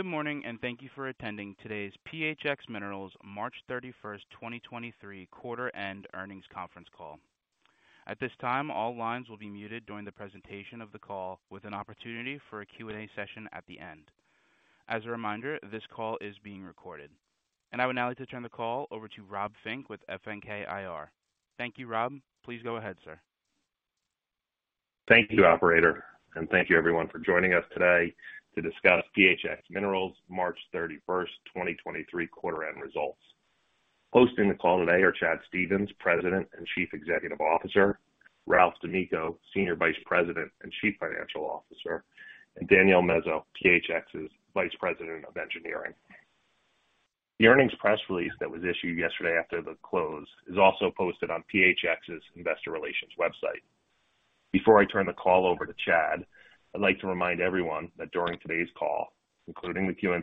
Good morning, and thank you for attending today's PHX Minerals March 31st, 2023 quarter end earnings conference call. At this time, all lines will be muted during the presentation of the call, with an opportunity for a Q&A session at the end. As a reminder, this call is being recorded. I would now like to turn the call over to Rob Fink with FNK IR. Thank you, Rob. Please go ahead, sir. Thank you, operator, and thank you everyone for joining us today to discuss PHX Minerals March 31st, 2023 quarter end results. Hosting the call today are Chad Stephens, President and Chief Executive Officer, Ralph D'Amico, Senior Vice President and Chief Financial Officer, and Danielle Mezo, PHX's Vice President of Engineering. The earnings press release that was issued yesterday after the close is also posted on PHX's investor relations website. Before I turn the call over to Chad, I'd like to remind everyone that during today's call, including the Q&A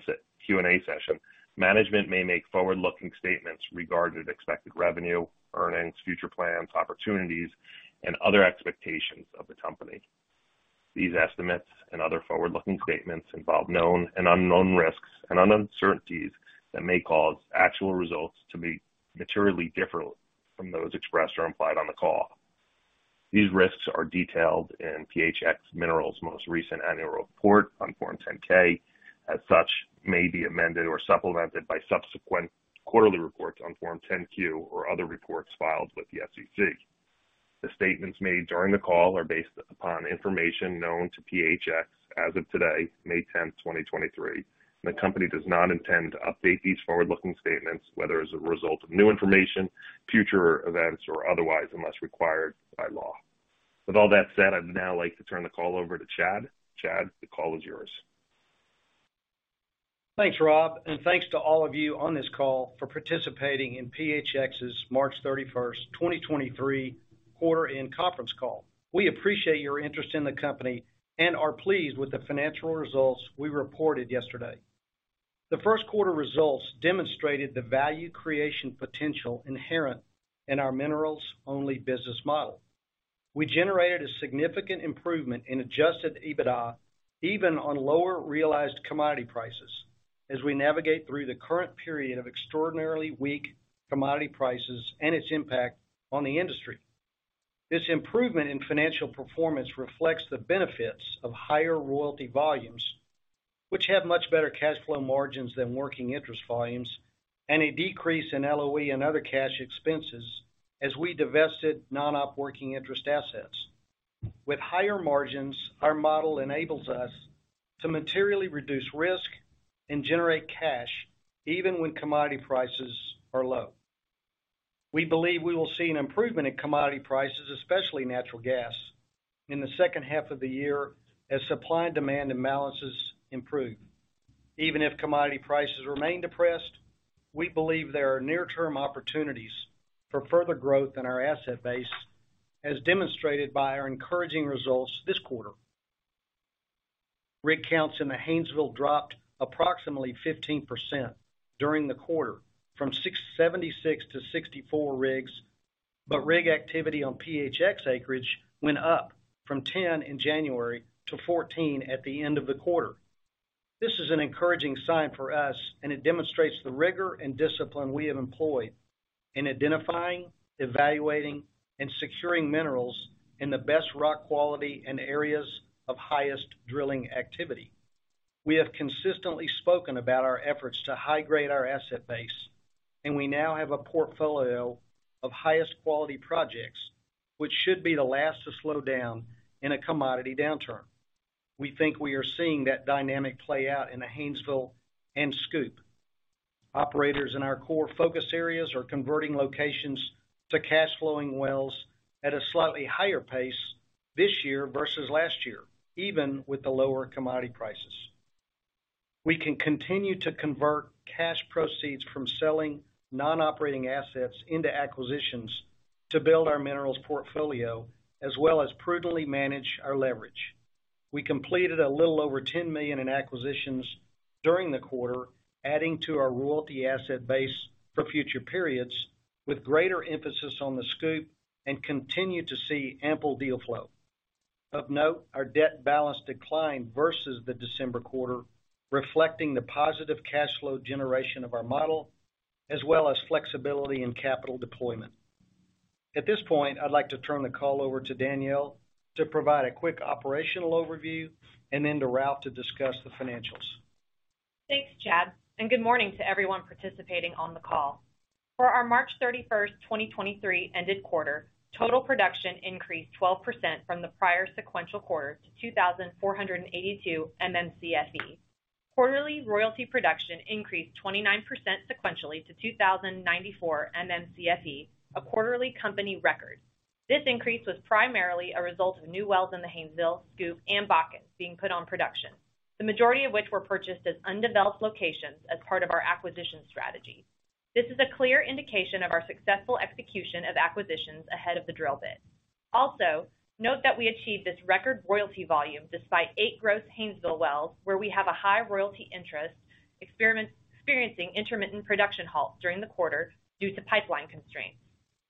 session, management may make forward-looking statements regarding expected revenue, earnings, future plans, opportunities, and other expectations of the company. These estimates and other forward-looking statements involve known and unknown risks and uncertainties that may cause actual results to be materially different from those expressed or implied on the call. These risks are detailed in PHX Minerals most recent annual report on Form 10-K. As such, may be amended or supplemented by subsequent quarterly reports on Form 10-Q or other reports filed with the SEC. The statements made during the call are based upon information known to PHX as of today, May 10th, 2023. The company does not intend to update these forward-looking statements, whether as a result of new information, future events, or otherwise, unless required by law. With all that said, I'd now like to turn the call over to Chad. Chad, the call is yours. Thanks, Rob, thanks to all of you on this call for participating in PHX's March 31, 2023 quarter in conference call. We appreciate your interest in the company and are pleased with the financial results we reported yesterday. The first quarter results demonstrated the value creation potential inherent in our minerals-only business model. We generated a significant improvement in adjusted EBITDA, even on lower realized commodity prices, as we navigate through the current period of extraordinarily weak commodity prices and its impact on the industry. This improvement in financial performance reflects the benefits of higher royalty volumes, which have much better cash flow margins than working interest volumes and a decrease in LOE and other cash expenses as we divested non-op working interest assets. With higher margins, our model enables us to materially reduce risk and generate cash even when commodity prices are low. We believe we will see an improvement in commodity prices, especially natural gas, in the second half of the year as supply and demand imbalances improve. Even if commodity prices remain depressed, we believe there are near-term opportunities for further growth in our asset base, as demonstrated by our encouraging results this quarter. Rig counts in Haynesville dropped approximately 15% during the quarter from 676 to 64 rigs. Rig activity on PHX acreage went up from 10 in January to 14 at the end of the quarter. This is an encouraging sign for us, and it demonstrates the rigor and discipline we have employed in identifying, evaluating, and securing minerals in the best rock quality and areas of highest drilling activity. We have consistently spoken about our efforts to high-grade our asset base, and we now have a portfolio of highest quality projects, which should be the last to slow down in a commodity downturn. We think we are seeing that dynamic play out in Haynesville and SCOOP. Operators in our core focus areas are converting locations to cash-flowing wells at a slightly higher pace this year versus last year, even with the lower commodity prices. We can continue to convert cash proceeds from selling non-operating assets into acquisitions to build our minerals portfolio, as well as prudently manage our leverage. We completed a little over $10 million in acquisitions during the quarter, adding to our royalty asset base for future periods with greater emphasis on the SCOOP and continue to see ample deal flow. Of note, our debt balance declined versus the December quarter, reflecting the positive cash flow generation of our model, as well as flexibility in capital deployment. At this point, I'd like to turn the call over to Danielle to provide a quick operational overview and then to Ralph to discuss the financials. Thanks, Chad, good morning to everyone participating on the call. For our March 31st, 2023 ended quarter, total production increased 12% from the prior sequential quarter to 2,482 Mmcfe. Quarterly royalty production increased 29% sequentially to 2,094 Mmcfe, a quarterly company record. This increase was primarily a result of new wells in Haynesville, SCOOP and Bakken being put on production. The majority of which were purchased as undeveloped locations as part of our acquisition strategy. This is a clear indication of our successful execution of acquisitions ahead of the drill bit. Note that we achieved this record royalty volume despite eight Haynesville wells where we have a high royalty interest experiencing intermittent production halts during the quarter due to pipeline constraints.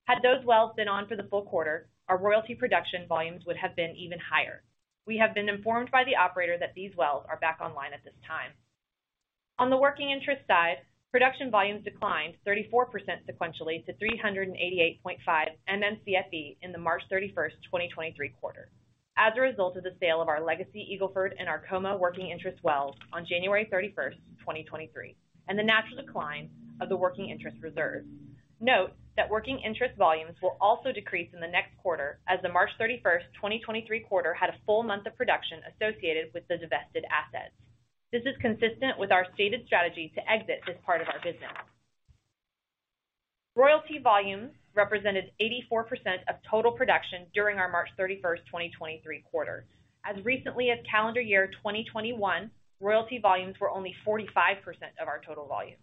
Had those wells been on for the full quarter, our royalty production volumes would have been even higher. We have been informed by the operator that these wells are back online at this time. On the working interest side, production volumes declined 34% sequentially to 388.5 MMcfe in the March 31st, 2023 quarter as a result of the sale of our legacy Eagle Ford and Arkoma working interest wells on January 31st, 2023, and the natural decline of the working interest reserve. Note that working interest volumes will also decrease in the next quarter as the March 31st, 2023 quarter had a full month of production associated with the divested assets. This is consistent with our stated strategy to exit this part of our business. Royalty volumes represented 84% of total production during our March 31st, 2023 quarter. As recently as calendar year 2021, royalty volumes were only 45% of our total volume.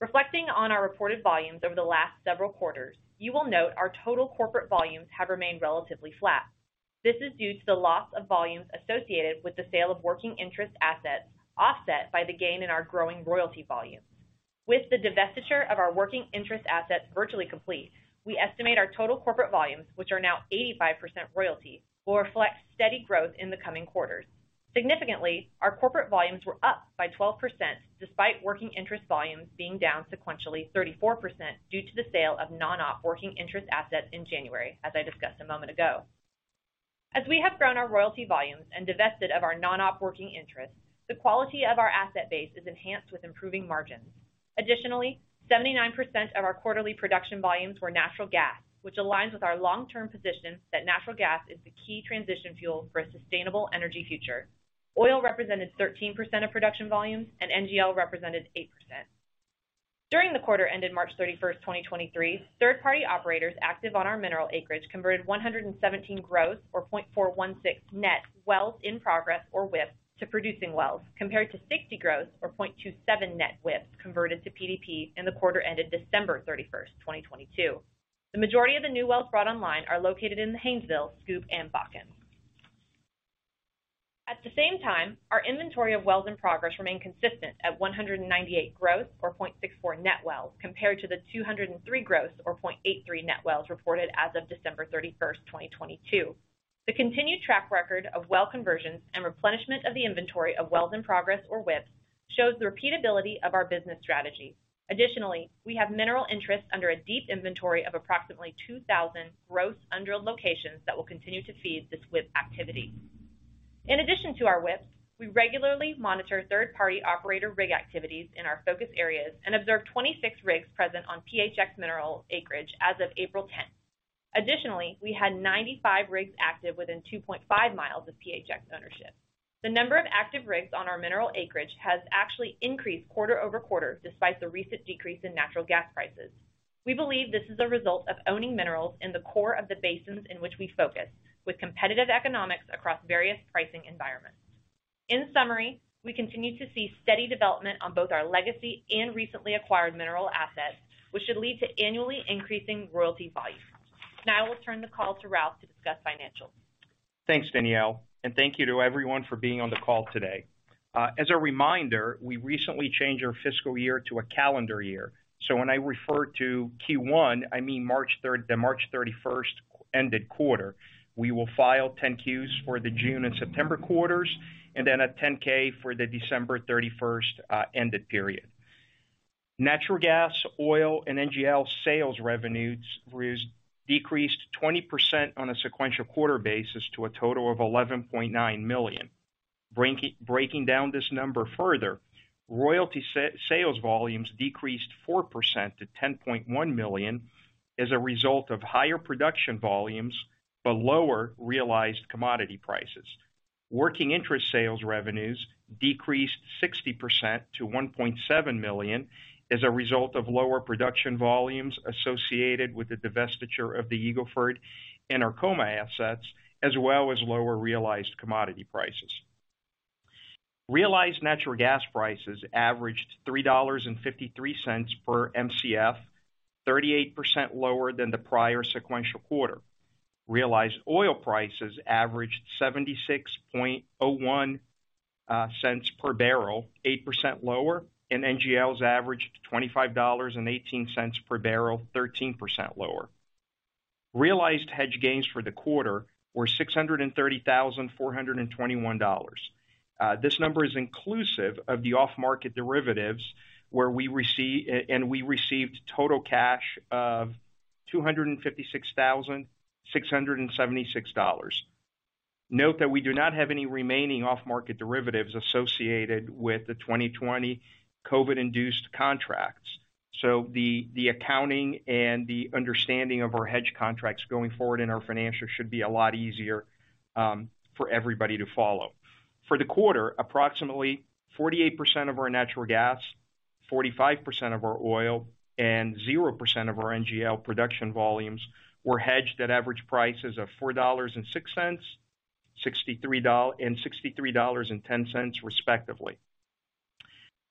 Reflecting on our reported volumes over the last several quarters, you will note our total corporate volumes have remained relatively flat. This is due to the loss of volumes associated with the sale of working interest assets, offset by the gain in our growing royalty volumes. With the divestiture of our working interest assets virtually complete, we estimate our total corporate volumes, which are now 85% royalty, will reflect steady growth in the coming quarters. Significantly, our corporate volumes were up by 12% despite working interest volumes being down sequentially 34% due to the sale of non-op working interest assets in January, as I discussed a moment ago. As we have grown our royalty volumes and divested of our non-op working interest, the quality of our asset base is enhanced with improving margins. Additionally, 79% of our quarterly production volumes were natural gas, which aligns with our long-term position that natural gas is the key transition fuel for a sustainable energy future. Oil represented 13% of production volumes, and NGL represented 8%. During the quarter ended March 31, 2023, third party operators active on our mineral acreage converted 117 gross, or 0.416 net wells in progress or WIP to producing wells, compared to 60 gross or 0.27 net WIP PDP in the quarter ended December 31, 2022. The majority of the new wells brought online are located in Haynesville, Scoop, and Bakken. At the same time, our inventory of wells in progress remained consistent at 198 gross, or 0.64 net wells, compared to the 203 gross, or 0.83 net wells reported as of December 31st, 2022. The continued track record of well conversions and replenishment of the inventory of wells in progress, or WIP, shows the repeatability of our business strategy. We have mineral interest under a deep inventory of approximately 2,000 gross undrilled locations that will continue to feed this WIP activity. In addition to our WIP, we regularly monitor third party operator rig activities in our focus areas and observe 26 rigs present on PHX Minerals acreage as of April 10th. We had 95 rigs active within 2.5 miles of PHX ownership. The number of active rigs on our mineral acreage has actually increased QoQ, despite the recent decrease in natural gas prices. We believe this is a result of owning minerals in the core of the basins in which we focus, with competitive economics across various pricing environments. In summary, we continue to see steady development on both our legacy and recently acquired mineral assets, which should lead to annually increasing royalty volumes. Now I will turn the call to Ralph to discuss financials. Thanks, Danielle, thank you to everyone for being on the call today. As a reminder, we recently changed our fiscal year to a calendar year. When I refer to Q1, I mean the March 31st ended quarter. We will file 10-Qs for the June and September quarters, a 10-K for the December 31st ended period. Natural gas, oil, and NGL sales revenues decreased 20% on a sequential quarter basis to a total of $11.9 million. Breaking down this number further, royalty sales volumes decreased 4% to $10.1 million as a result of higher production volumes but lower realized commodity prices. Working interest sales revenues decreased 60% to $1.7 million as a result of lower production volumes associated with the divestiture of the Eagle Ford and Arkoma assets, as well as lower realized commodity prices. Realized natural gas prices averaged $3.53 per MCF, 38% lower than the prior sequential quarter. Realized oil prices averaged $0.7601 per barrel, 8% lower, and NGLs averaged $25.18 per barrel, 13% lower. Realized hedge gains for the quarter were $630,421. This number is inclusive of the off-market derivatives where we and we received total cash of $256,676. Note that we do not have any remaining off-market derivatives associated with the 2020 COVID induced contracts. The accounting and the understanding of our hedge contracts going forward in our financials should be a lot easier for everybody to follow. For the quarter, approximately 48% of our natural gas, 45% of our oil, and 0% of our NGL production volumes were hedged at average prices of $4.06 and $63.10, respectively.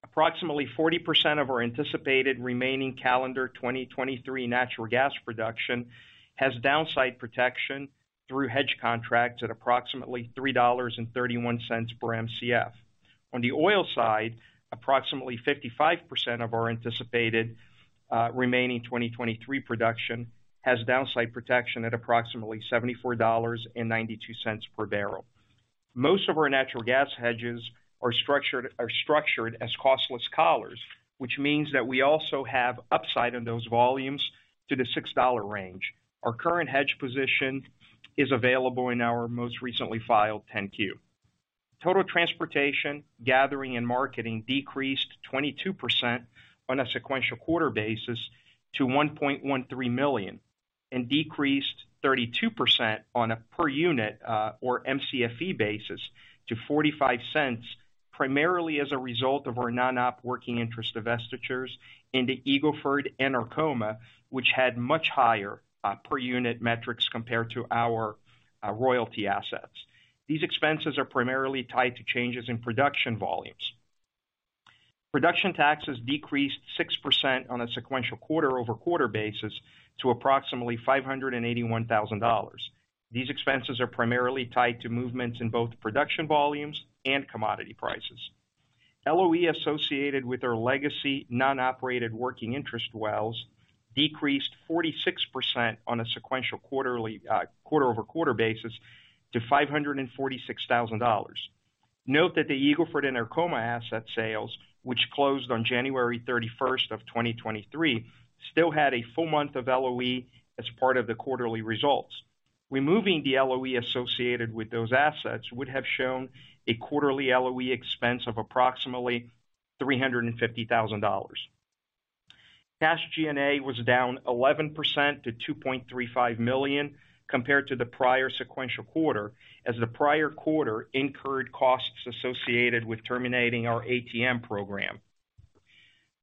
Approximately 40% of our anticipated remaining calendar 2023 natural gas production has downside protection through hedge contracts at approximately $3.31 per Mcf. On the oil side, approximately 55% of our anticipated remaining 2023 production has downside protection at approximately $74.92 per barrel. Most of our natural gas hedges are structured as costless collars, which means that we also have upside of those volumes to the $6 range. Our current hedge position is available in our most recently filed 10-Q. Total transportation, gathering and marketing decreased 22% on a sequential quarter basis to $1.13 million and decreased 32% on a per unit, or Mcfe basis to $0.45, primarily as a result of our non-op working interest divestitures into Eagle Ford and Arkoma, which had much higher per unit metrics compared to our royalty assets. These expenses are primarily tied to changes in production volumes. Production taxes decreased 6% on a sequential QoQ basis to approximately $581,000. These expenses are primarily tied to movements in both production volumes and commodity prices. LOE associated with our legacy non-operated working interest wells decreased 46% on a sequential quarterly, QoQ basis to $546,000. Note that the Eagle Ford and Arkoma asset sales, which closed on January 31st of 2023, still had a full month of LOE as part of the quarterly results. Removing the LOE associated with those assets would have shown a quarterly LOE expense of approximately $350,000. Cash G&A was down 11% to $2.35 million compared to the prior sequential quarter as the prior quarter incurred costs associated with terminating our ATM program.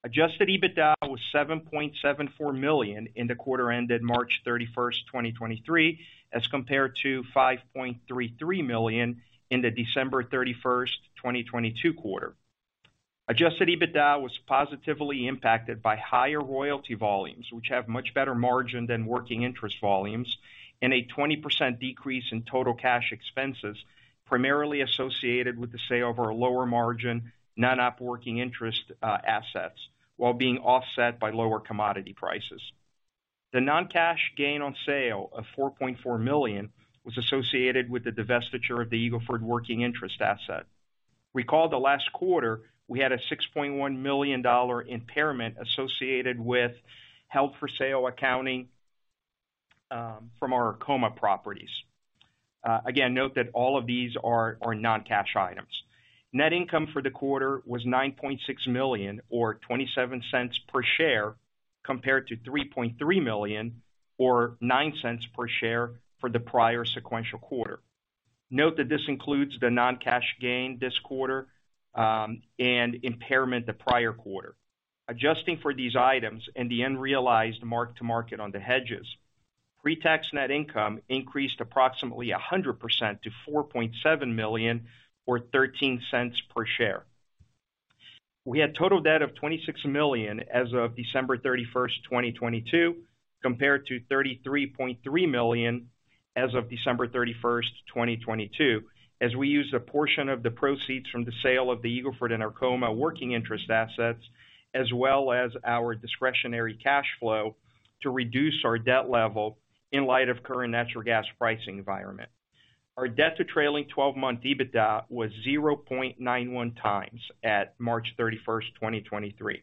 Adjusted EBITDA was $7.74 million in the quarter ended March 31st, 2023, as compared to $5.33 million in the December 31st, 2022 quarter. Adjusted EBITDA was positively impacted by higher royalty volumes, which have much better margin than working interest volumes, and a 20% decrease in total cash expenses, primarily associated with the sale of our lower margin, non-op working interest, assets, while being offset by lower commodity prices. The non-cash gain on sale of $4.4 million was associated with the divestiture of the Eagle Ford working interest asset. Recall that last quarter we had a $6.1 million impairment associated with held for sale accounting, from our Arkoma properties. Again, note that all of these are non-cash items. Net income for the quarter was $9.6 million or $0.27 per share compared to $3.3 million or $0.09 per share for the prior sequential quarter. Note that this includes the non-cash gain this quarter and impairment the prior quarter. Adjusting for these items and the unrealized mark to market on the hedges, pre-tax net income increased approximately 100% to $4.7 million or $0.13 per share. We had total debt of $26 million as of December 31st, 2022, compared to $33.3 million as of December 31, 2022, as we used a portion of the proceeds from the sale of the Eagle Ford and Arkoma working interest assets, as well as our discretionary cash flow to reduce our debt level in light of current natural gas pricing environment. Our debt to trailing 12-month EBITDA was 0.91 times at March 31st, 2023.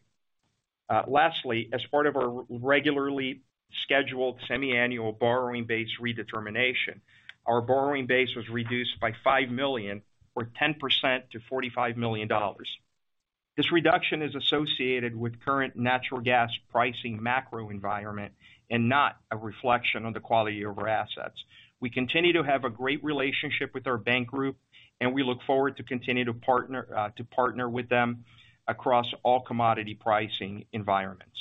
Lastly, as part of our regularly scheduled semi-annual borrowing base redetermination, our borrowing base was reduced by $5 million or 10% to $45 million. This reduction is associated with current natural gas pricing macro environment and not a reflection of the quality of our assets. We continue to have a great relationship with our bank group and we look forward to continue to partner with them across all commodity pricing environments.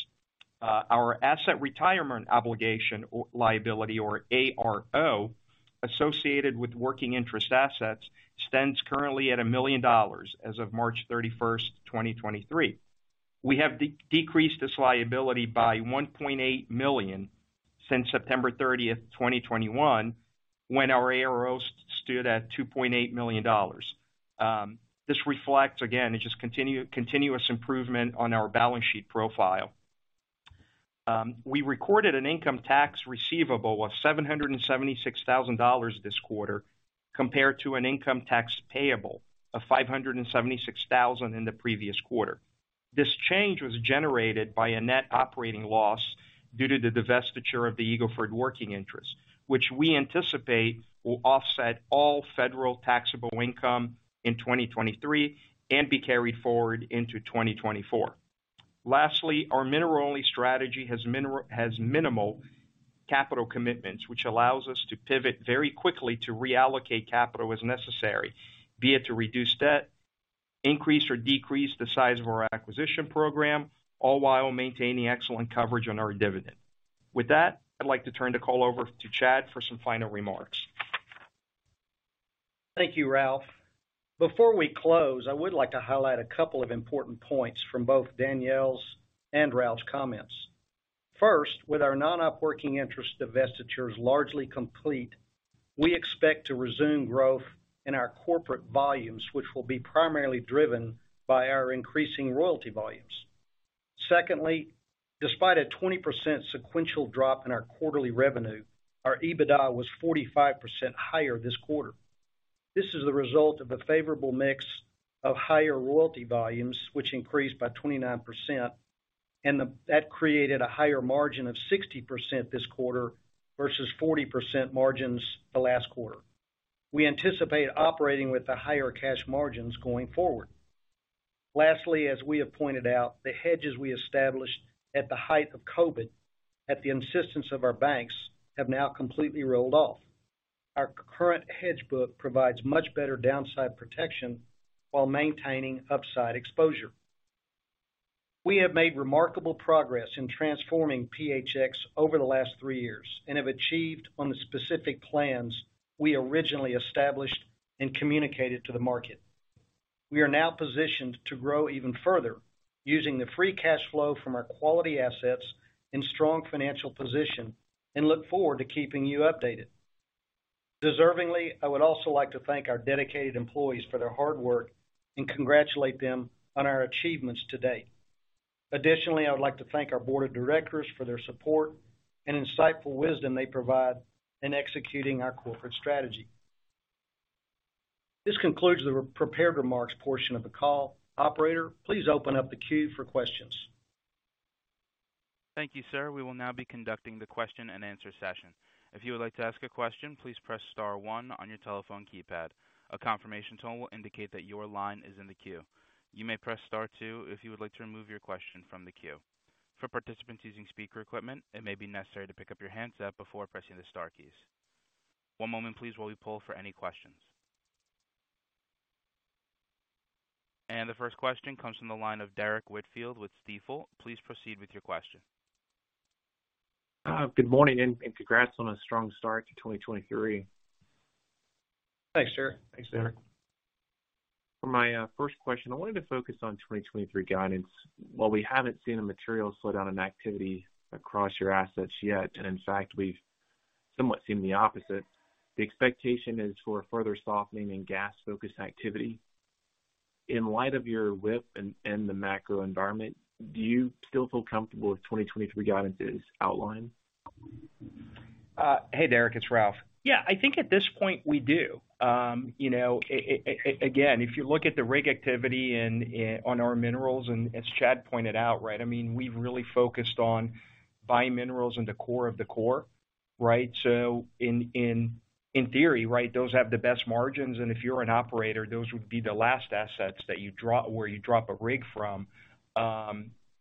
Our asset retirement obligation or liability, or ARO, associated with working interest assets stands currently at $1 million as of March 31st, 2023. We have decreased this liability by $1.8 million since September 30th, 2021, when our AROs stood at $2.8 million. This reflects, again, it's just continuous improvement on our balance sheet profile. We recorded an income tax receivable of $776,000 this quarter compared to an income tax payable of $576,000 in the previous quarter. This change was generated by a net operating loss due to the divestiture of the Eagle Ford working interest, which we anticipate will offset all federal taxable income in 2023 and be carried forward into 2024. Lastly, our mineral only strategy has minimal capital commitments, which allows us to pivot very quickly to reallocate capital as necessary, be it to reduce debt, increase or decrease the size of our acquisition program, all while maintaining excellent coverage on our dividend. With that, I'd like to turn the call over to Chad for some final remarks. Thank you, Ralph. Before we close, I would like to highlight a couple of important points from both Danielle's and Ralph's comments. First, with our non-operating interest divestitures largely complete, we expect to resume growth in our corporate volumes, which will be primarily driven by our increasing royalty volumes. Secondly, despite a 20% sequential drop in our quarterly revenue, our EBITDA was 45% higher this quarter. This is the result of a favorable mix of higher royalty volumes, which increased by 29%, and that created a higher margin of 60% this quarter versus 40% margins the last quarter. We anticipate operating with the higher cash margins going forward. Lastly, as we have pointed out, the hedges we established at the height of COVID, at the insistence of our banks, have now completely rolled off. Our current hedge book provides much better downside protection while maintaining upside exposure. We have made remarkable progress in transforming PHX over the last three years and have achieved on the specific plans we originally established and communicated to the market. We are now positioned to grow even further using the free cash flow from our quality assets and strong financial position and look forward to keeping you updated. Deservingly, I would also like to thank our dedicated employees for their hard work and congratulate them on our achievements to date. I would like to thank our board of directors for their support and insightful wisdom they provide in executing our corporate strategy. This concludes the re-prepared remarks portion of the call. Operator, please open up the queue for questions. Thank you, sir. We will now be conducting the question-and-answer session. If you would like to ask a question, please press star one on your telephone keypad. A confirmation tone will indicate that your line is in the queue. You may press star two if you would like to remove your question from the queue. For participants using speaker equipment, it may be necessary to pick up your handset before pressing the star keys. One moment please, while we poll for any questions. The first question comes from the line of Derrick Whitfield with Stifel. Please proceed with your question. Good morning, and congrats on a strong start to 2023. Thanks, Derrick. Thanks, Derrick. For my, first question, I wanted to focus on 2023 guidance. While I haven't seen a material slowdown in activity across your assets yet, and in fact, we've somewhat seen the opposite, the expectation is for further softening in gas-focused activity. In light of your WIP and the macro environment, do you still feel comfortable with 2023 guidance's outline? Hey, Derrick, it's Ralph. Yeah, I think at this point, we do. You know, again, if you look at the rig activity in on our minerals, and as Chad pointed out, right, I mean, we've really focused on buying minerals in the core of the core, right? In theory, right, those have the best margins, and if you're an operator, those would be the last assets that you where you drop a rig from.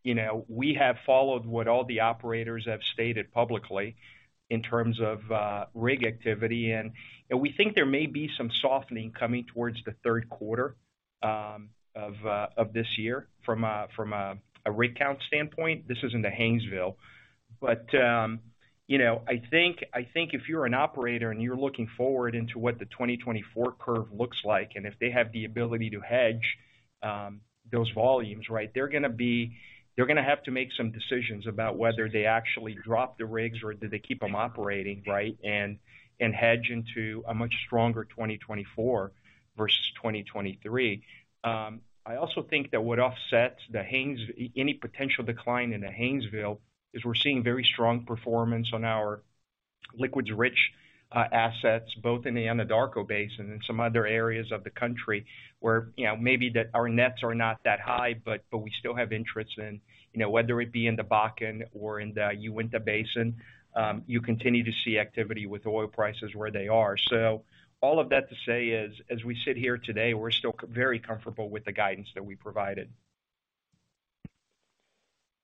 You know, we have followed what all the operators have stated publicly in terms of rig activity. We think there may be some softening coming towards the third quarter of this year from a rig count standpoint. This is in the Haynesville. You know, I think if you're an operator and you're looking forward into what the 2024 curve looks like, and if they have the ability to hedge, those volumes, right? They're gonna have to make some decisions about whether they actually drop the rigs or do they keep them operating, right, and hedge into a much stronger 2024 versus 2023. I also think that what offsets any potential decline in Haynesville is we're seeing very strong performance on our liquids-rich assets, both in the Anadarko Basin and some other areas of the country where, you know, maybe the, our nets are not that high, but we still have interest in, you know, whether it be in the Bakken or in the Uinta Basin, you continue to see activity with oil prices where they are. All of that to say is, as we sit here today, we're still very comfortable with the guidance that we provided.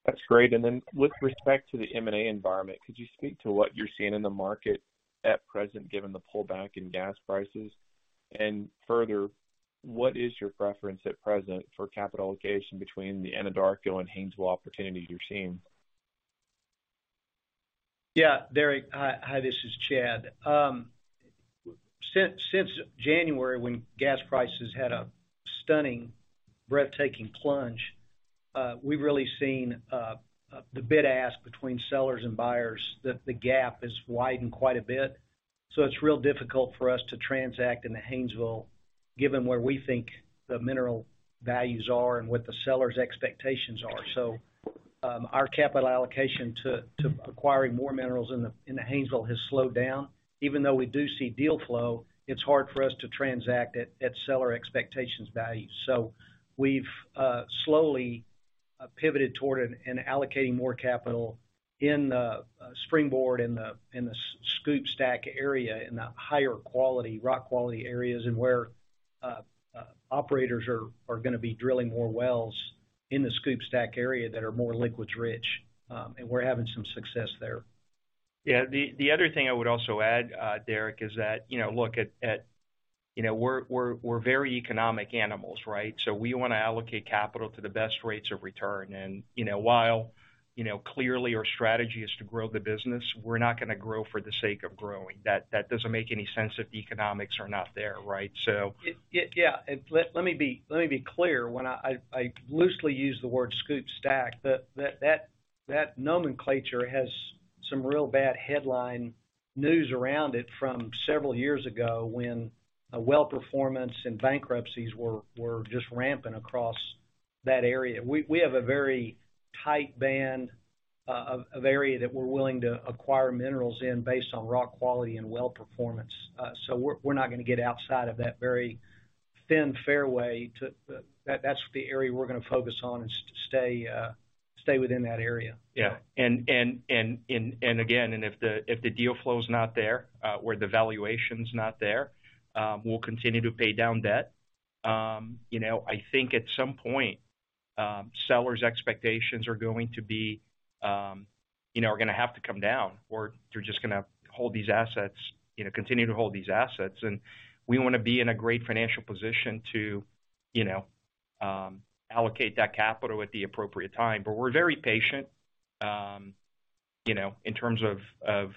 That's great. Then with respect to the M&A environment, could you speak to what you're seeing in the market at present, given the pullback in gas prices? Further, what is your preference at present for capital allocation between the Anadarko Haynesville opportunities you're seeing? Yeah. Derrick, hi. Hi, this is Chad. Since January, when gas prices had a stunning, breathtaking plunge, we've really seen the bid ask between sellers and buyers that the gap has widened quite a bit. It's real difficult for us to transact in Haynesville given where we think the mineral values are and what the seller's expectations are. Our capital allocation to acquiring more minerals in Haynesville has slowed down. Even though we do see deal flow, it's hard for us to transact at seller expectations values. We've slowly pivoted toward and allocating more capital in the SpringBoard, in the SCOOP Stack area, in the higher quality, rock quality areas and where operators are gonna be drilling more wells in the SCOOP Stack area that are more liquids rich. We're having some success there. Yeah. The other thing I would also add, Derrick, is that, you know, look at, you know, we're very economic animals, right? We wanna allocate capital to the best rates of return. You know, while, you know, clearly our strategy is to grow the business, we're not gonna grow for the sake of growing. That doesn't make any sense if the economics are not there, right? Yeah. Let me be clear. When I loosely use the word SCOOP stack, that nomenclature has some real bad headline news around it from several years ago when a well performance and bankruptcies were just ramping across that area. We have a very tight band of area that we're willing to acquire minerals in based on raw quality and well performance. We're not gonna get outside of that very thin fairway. That's the area we're gonna focus on, is to stay within that area. Yeah. If the deal flow is not there, or the valuation's not there, we'll continue to pay down debt. You know, I think at some point, sellers expectations are going to be, you know, are gonna have to come down or they're just gonna hold these assets, you know, continue to hold these assets. We wanna be in a great financial position to, you know, allocate that capital at the appropriate time. We're very patient, you know, in terms of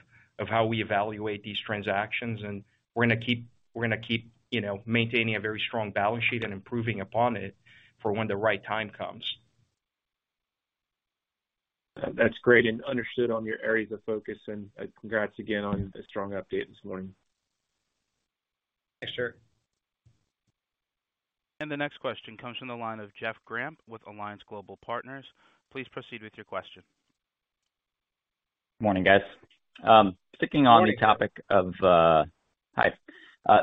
how we evaluate these transactions, and we're gonna keep, you know, maintaining a very strong balance sheet and improving upon it for when the right time comes. That's great and understood on your areas of focus, and congrats again on the strong update this morning. Thanks, sir. The next question comes from the line of Jeff Grampp with Alliance Global Partners. Please proceed with your question. Morning, guys. Sticking on the topic of. Morning. Hi.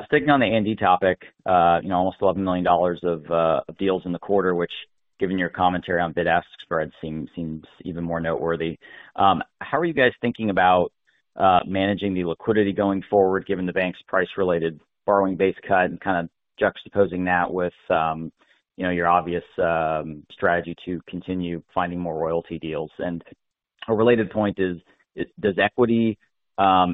Sticking on the indie topic, you know, almost $12 million of deals in the quarter, which given your commentary on bid-ask spread seems even more noteworthy. How are you guys thinking about managing the liquidity going forward, given the bank's price related borrowing base cut and kinda juxtaposing that with, you know, your obvious, strategy to continue finding more royalty deals? A related point is, does equity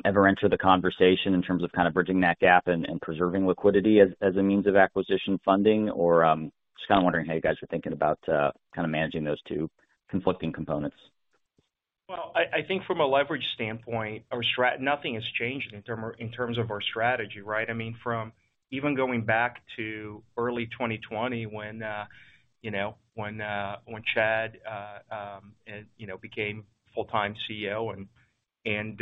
ever enter the conversation in terms of kinda bridging that gap and preserving liquidity as a means of acquisition funding? Just kinda wondering how you guys are thinking about kinda managing those two conflicting components. Well, I think from a leverage standpoint, nothing has changed in terms of our strategy, right? I mean, from even going back to early 2020 when, you know, when Chad, you know, became full-time CEO and,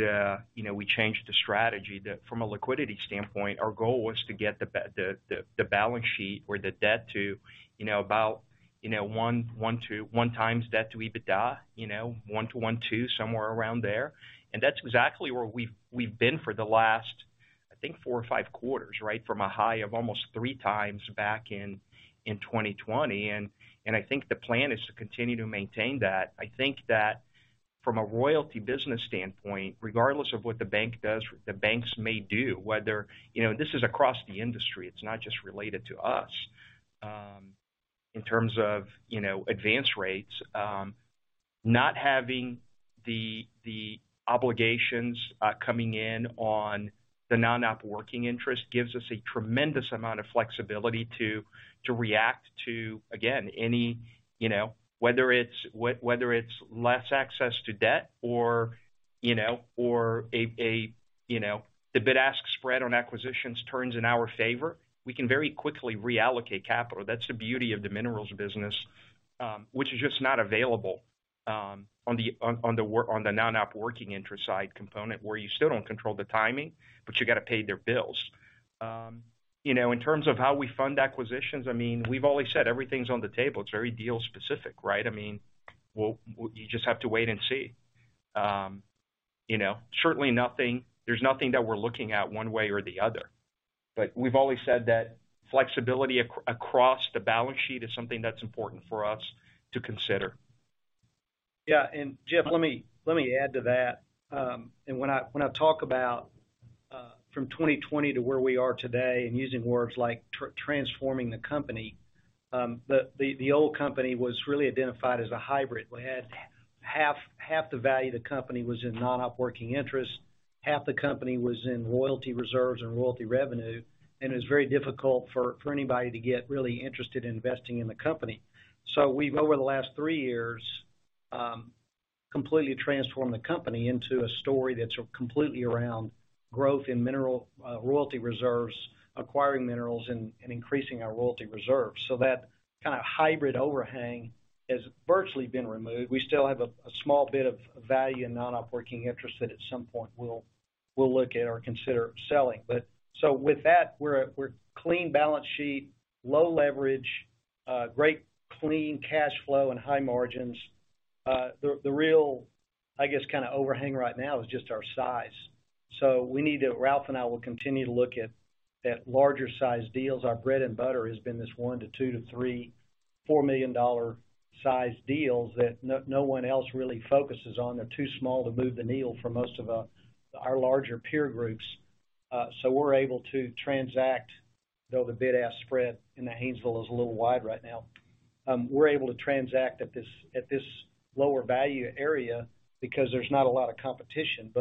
you know, we changed the strategy that from a liquidity standpoint, our goal was to get the balance sheet or the debt to, you know, about, you know, one to one times debt to EBITDA. You know, one to one too, somewhere around there. That's exactly where we've been for the last, I think, four or five quarters, right? From a high of almost three times back in 2020. I think the plan is to continue to maintain that. I think that from a royalty business standpoint, regardless of what the bank does, the banks may do, whether. You know, this is across the industry, it's not just related to us, in terms of, you know, advance rates. Not having the obligations coming in on the non-op working interest gives us a tremendous amount of flexibility to react to, again, any, you know, whether it's less access to debt or a, you know, the bid-ask spread on acquisitions turns in our favor, we can very quickly reallocate capital. That's the beauty of the minerals business, which is just not available on the non-op working interest side component, where you still don't control the timing, but you gotta pay their bills. You know, in terms of how we fund acquisitions, I mean, we've always said everything's on the table. It's very deal specific, right? I mean, we'll just have to wait and see. You know, certainly nothing there's nothing that we're looking at one way or the other. We've always said that flexibility across the balance sheet is something that's important for us to consider. Yeah. Jeff, let me, let me add to that. When I, when I talk about, from 2020 to where we are today and using words like transforming the company, the old company was really identified as a hybrid. We had half the value of the company was in non-op working interest, half the company was in royalty reserves and royalty revenue, and it was very difficult for anybody to get really interested in investing in the company. We've, over the last three years, completely transformed the company into a story that's completely around growth in mineral, royalty reserves, acquiring minerals, and increasing our royalty reserves. That kinda hybrid overhang has virtually been removed. We still have a small bit of value in non-op working interest that at some point we'll look at or consider selling. With that, we're a clean balance sheet, low leverage, great clean cash flow and high margins. The real, I guess, kinda overhang right now is just our size. Ralph and I will continue to look at larger size deals. Our bread and butter has been this $1 million to $2 million to $3 million, $4 million size deals that no one else really focuses on. They're too small to move the needle for most of our larger peer groups. We're able to transact, though the bid-ask spread in Haynesville is a little wide right now. We're able to transact at this lower value area because there's not a lot of competition.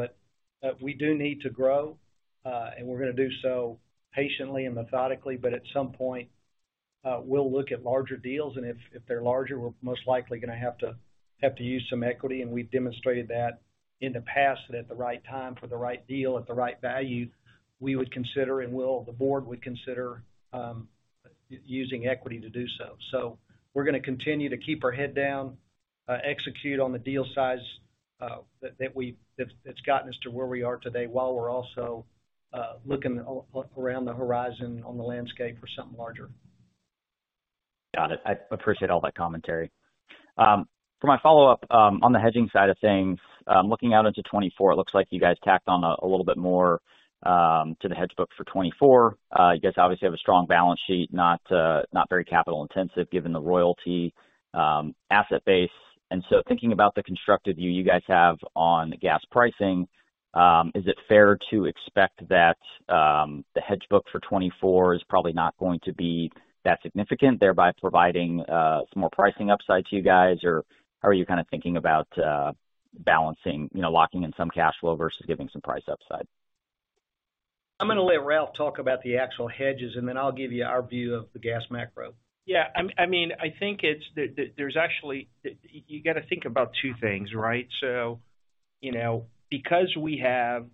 We do need to grow and we're gonna do so patiently and methodically. At some point, we'll look at larger deals, and if they're larger, we're most likely gonna have to use some equity. We've demonstrated that in the past that at the right time for the right deal at the right value, we would consider and the board would consider using equity to do so. We're gonna continue to keep our head down, execute on the deal size that's gotten us to where we are today while we're also looking around the horizon on the landscape for something larger. Got it. I appreciate all that commentary. For my follow-up, on the hedging side of things, looking out into 2024, it looks like you guys tacked on a little bit more to the hedge book for 2024. You guys obviously have a strong balance sheet, not very capital intensive given the royalty asset base. So thinking about the constructive view you guys have on the gas pricing, is it fair to expect that the hedge book for 2024 is probably not going to be that significant, thereby providing some more pricing upside to you guys? Or how are you kinda thinking about balancing, you know, locking in some cash flow versus giving some price upside? I'm gonna let Ralph talk about the actual hedges, and then I'll give you our view of the gas macro. Yeah. I mean, I think it's... there's actually... You gotta think about two things, right? You know, because we have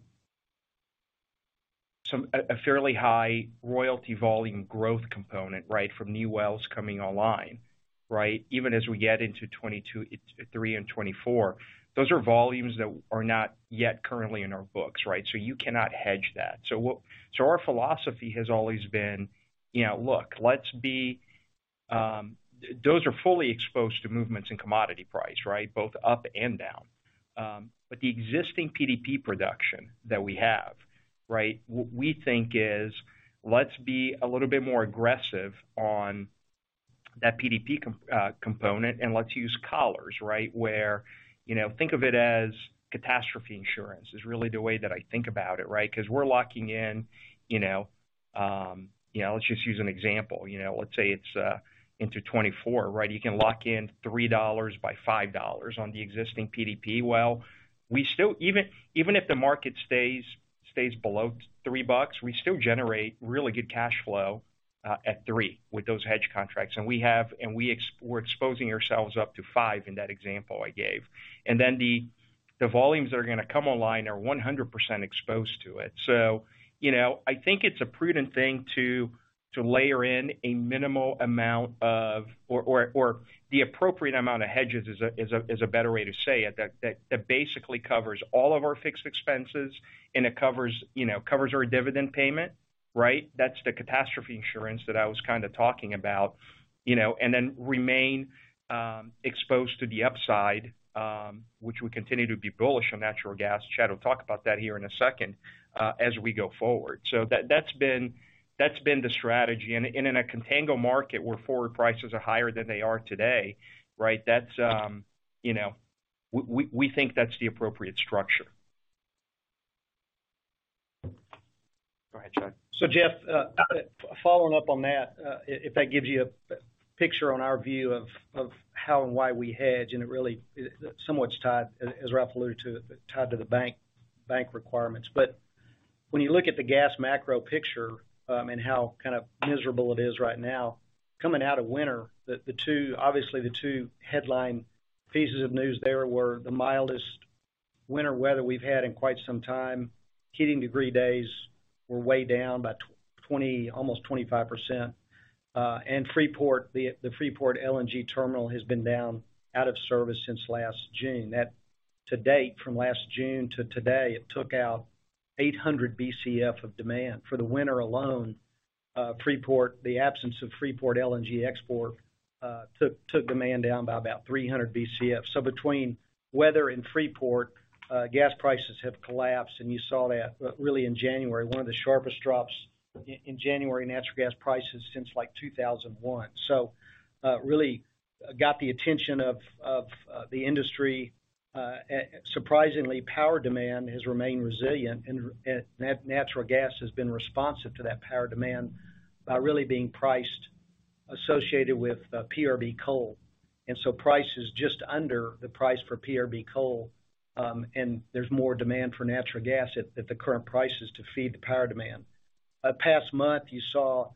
a fairly high royalty volume growth component, right, from new wells coming online, right? Even as we get into 2022, 2023, and 2024, those are volumes that are not yet currently in our books, right? You cannot hedge that. Our philosophy has always been, you know, look, let's be, those are fully exposed to movements in commodity price, right? Both up and down. PDP production that we have, right? We think is, let's be a little bit more aggressive PDP component, and let's use collars, right? Where, you know, think of it as catastrophe insurance, is really the way that I think about it, right? 'Cause we're locking in, you know, let's just use an example. You know, let's say it's into 2024, right? You can lock in $3 by $5 on PDP well. Even if the market stays below $3, we still generate really good cash flow at $3 with those hedge contracts. And we're exposing ourselves up to $5 in that example I gave. The volumes that are going to come online are 100% exposed to it. you know, I think it's a prudent thing to layer in a minimal amount of... Or the appropriate amount of hedges is a better way to say it. That basically covers all of our fixed expenses, and it covers, you know, covers our dividend payment, right? That's the catastrophe insurance that I was kinda talking about, you know, and then remain exposed to the upside, which we continue to be bullish on natural gas. Chad will talk about that here in a second, as we go forward. So that's been, that's been the strategy. In a contango market where forward prices are higher than they are today, right? That's, you know, we think that's the appropriate structure. Go ahead, Chad. Jeff, following up on that, if that gives you a picture on our view of how and why we hedge, and it really is somewhat tied, as Ralph alluded to, tied to the bank requirements. When you look at the gas macro picture, and how kind of miserable it is right now, coming out of winter, the two obviously the two headline pieces of news there were the mildest winter weather we've had in quite some time. Heating degree days were way down by 20, almost Freeport LNG terminal has been down out of service since last June. That to date, from last June to today, it took out 800 Bcf of demand. For the winter Freeport, the absence Freeport LNG export, took demand down by about 300 Bcf. Between weather Freeport, gas prices have collapsed, and you saw that really in January. One of the sharpest drops in January natural gas prices since like 2001. Really got the attention of the industry. Surprisingly, power demand has remained resilient and natural gas has been responsive to that power demand by really being priced associated with PRB coal. Price is just under the price for PRB coal, and there's more demand for natural gas at the current prices to feed the power demand. Past month, you saw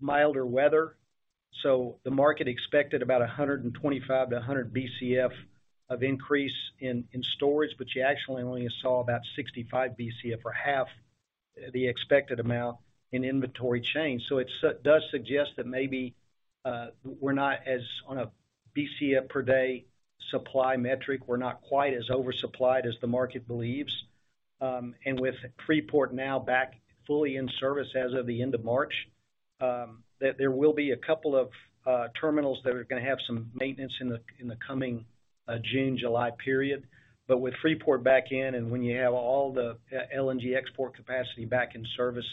milder weather, the market expected about 125 Bcf-100 Bcf of increase in storage, but you actually only saw about 65 Bcf or half the expected amount in inventory change. It does suggest that maybe we're not as on a Bcf per day supply metric. We're not quite as oversupplied as the market believes. Freeport now back fully in service as of the end of March, there will be a couple of terminals that are gonna have some maintenance in the coming June, July period. Freeport back in, and when you have all the LNG export capacity back in service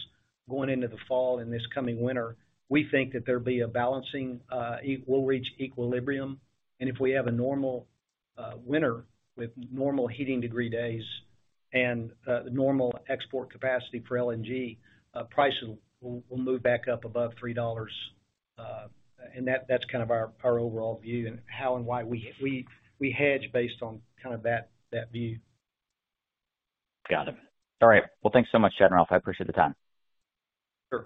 going into the fall and this coming winter, we think that there'll be a balancing, we'll reach equilibrium. If we have a normal winter with normal heating degree days and the normal export capacity for LNG, price will move back up above $3. That's kind of our overall view and how and why we hedge based on kind of that view. Got it. All right. Thanks so much, Chad and Ralph. I appreciate the time. Sure.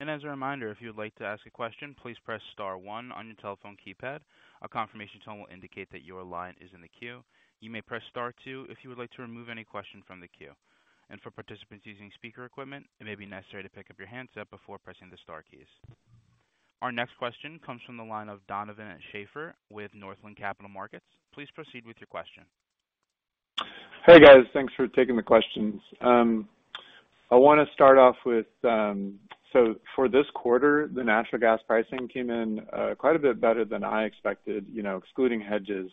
As a reminder, if you would like to ask a question, please press star one on your telephone keypad. A confirmation tone will indicate that your line is in the queue. You may press star two if you would like to remove any question from the queue. For participants using speaker equipment, it may be necessary to pick up your handset before pressing the star keys. Our next question comes from the line of Donovan Schafer with Northland Capital Markets. Please proceed with your question. Hey, guys. Thanks for taking the questions. I wanna start off with... For this quarter, the natural gas pricing came in quite a bit better than I expected, you know, excluding hedges.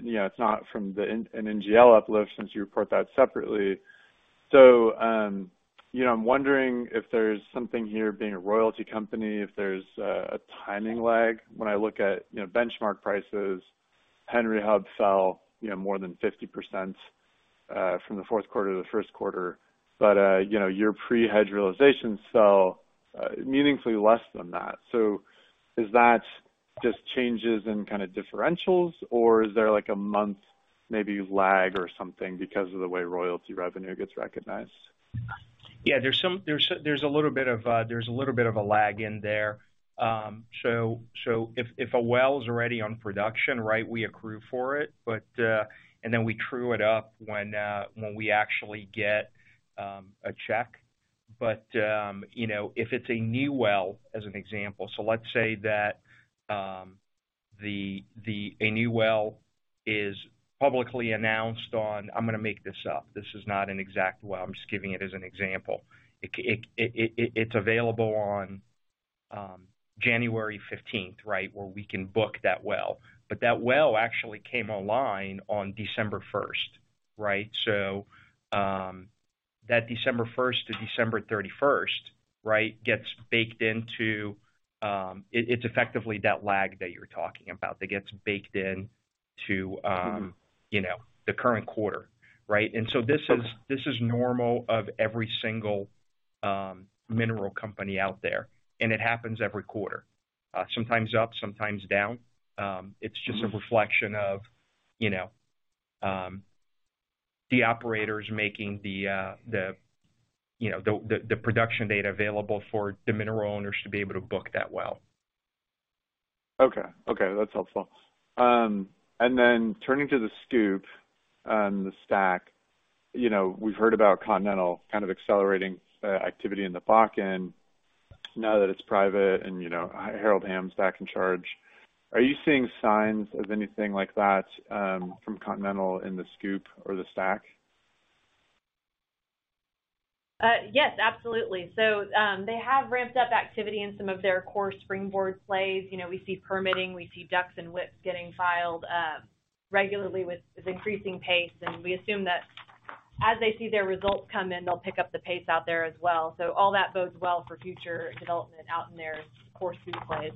you know, it's not from an NGL uplift since you report that separately. you know, I'm wondering if there's something here being a royalty company, if there's a timing lag. When I look at, you know, benchmark prices, Henry Hub fell, you know, more than 50% from the fourth quarter to the first quarter. you know, your pre-hedge realization fell meaningfully less than that. Is that just changes in kinda differentials, or is there, like, a month maybe lag or something because of the way royalty revenue gets recognized? Yeah, there's a little bit of a lag in there. If a well is already on production, right, we accrue for it. We true it up when we actually get a check. You know, if it's a new well, as an example, so let's say that the new well is publicly announced on. I'm gonna make this up. This is not an exact well, I'm just giving it as an example. It's available on January 15th, right? Where we can book that well. That well actually came online on December 1st, right? That December 1st to December 31st, right, gets baked into. It's effectively that lag that you're talking about that gets baked in to, you know, the current quarter, right? This is normal of every single mineral company out there, and it happens every quarter. Sometimes up, sometimes down. It's just a reflection of, you know, the operators making the, you know, the production data available for the mineral owners to be able to book that well. Okay. Okay, that's helpful. Turning to the SCOOP on the STACK, you know, we've heard about Continental kind of accelerating activity in the back end now that it's private and, you know, Harold Hamm's back in charge. Are you seeing signs of anything like that from Continental in the SCOOP or the STACK? Yes, absolutely. They have ramped up activity in some of their core SpringBoard plays. You know, we see permitting, we see DUCs and WIPs getting filed, regularly with increasing pace, and we assume that as they see their results come in, they'll pick up the pace out there as well. All that bodes well for future development out in their core SCOOP plays.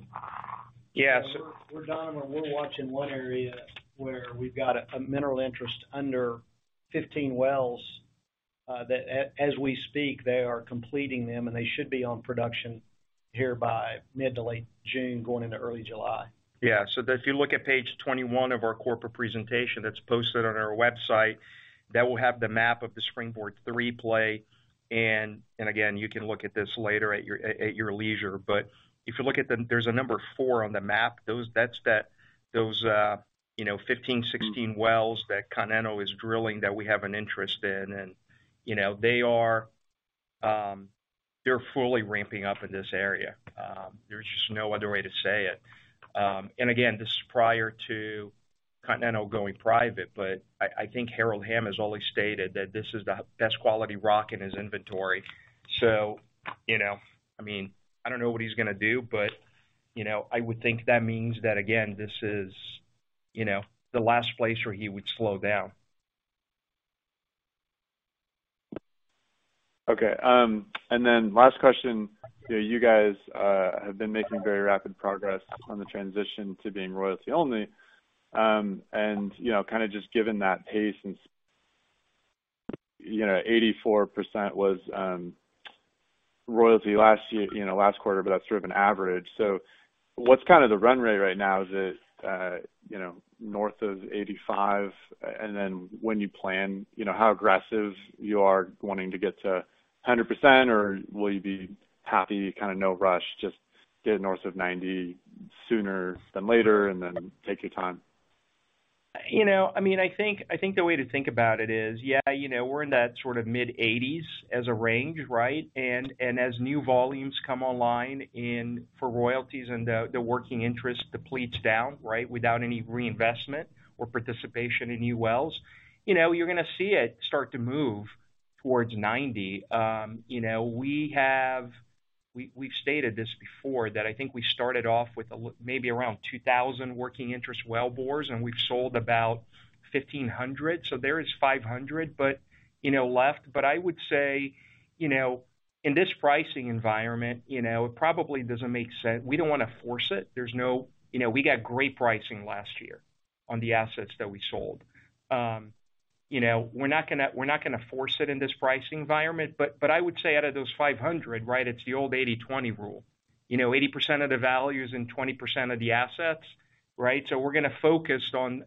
Yeah, so- Donovan, we're watching one area where we've got a mineral interest under 15 wells that as we speak, they are completing them, and they should be on production here by mid to late June, going into early July. If you look at page 21 of our corporate presentation that's posted on our website, that will have the map of the SpringBoard III play. And again, you can look at this later at your leisure. If you look at the... There's a number four on the map. That's that, those, you know, 15, 16 wells that Continental is drilling that we have an interest in. You know, they are, they're fully ramping up in this area. There's just no other way to say it. And again, this is prior to Continental going private, but I think Harold Hamm has always stated that this is the best quality rock in his inventory. you know, I mean, I don't know what he's gonna do, you know, I would think that means that again, this is, you know, the last place where he would slow down. Okay. Last question. You know, you guys have been making very rapid progress on the transition to being royalty only. You know, kinda just given that pace and, you know, 84% was royalty last year, you know, last quarter, but that's sort of an average. What's kinda the run rate right now? Is it, you know, north of 85? When you plan, you know, how aggressive you are wanting to get to 100%, or will you be happy, kinda no rush, just get north of 90 sooner than later and then take your time? You know, I mean, I think, I think the way to think about it is, yeah, you know, we're in that sort of mid-80s as a range, right? As new volumes come online and for royalties and the working interest depletes down, right, without any reinvestment or participation in new wells, you know, you're gonna see it start to move towards 90. You know, we've stated this before that I think we started off with a maybe around 2,000 working interest well bores, and we've sold about 1,500. There is 500, but, you know, left. I would say, you know, in this pricing environment, you know, it probably doesn't make sense. We don't wanna force it. There's no... You know, we got great pricing last year on the assets that we sold. You know, we're not gonna, we're not gonna force it in this pricing environment. I would say out of those 500, right, it's the old 80/20 rule. You know, 80% of the value is in 20% of the assets, right? We're gonna focus on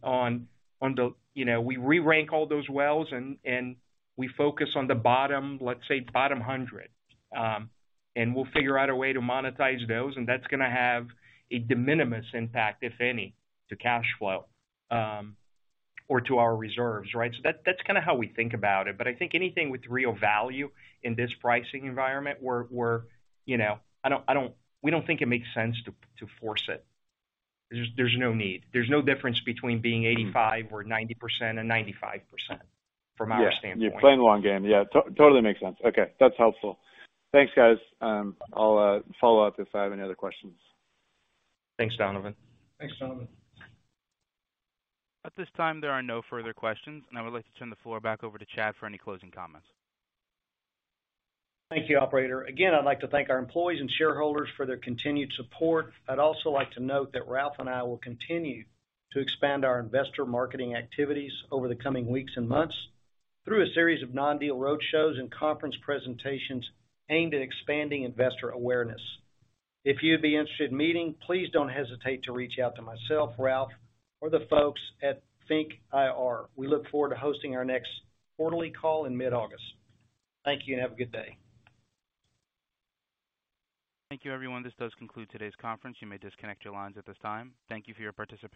the... You know, we re-rank all those wells and we focus on the bottom, let's say bottom 100. We'll figure out a way to monetize those, and that's gonna have a de minimis impact, if any, to cash flow or to our reserves, right? That's kinda how we think about it. I think anything with real value in this pricing environment, we're. You know, I don't, we don't think it makes sense to force it. There's no need. There's no difference between being 85% or 90% and 95% from our standpoint. Yeah. You're playing the long game. Yeah, totally makes sense. Okay, that's helpful. Thanks, guys. I'll follow up if I have any other questions. Thanks, Donovan. Thanks, Donovan. At this time, there are no further questions, and I would like to turn the floor back over to Chad for any closing comments. Thank you, operator. I'd like to thank our employees and shareholders for their continued support. I'd also like to note that Ralph and I will continue to expand our investor marketing activities over the coming weeks and months through a series of non-deal roadshows and conference presentations aimed at expanding investor awareness. If you'd be interested in meeting, please don't hesitate to reach out to myself, Ralph, or the folks at FNK IR. We look forward to hosting our next quarterly call in mid-August. Thank you. Have a good day. Thank you, everyone. This does conclude today's conference. You may disconnect your lines at this time. Thank you for your participation.